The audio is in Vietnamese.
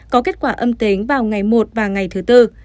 có kết quả âm tính vào ngày một và ngày thứ tư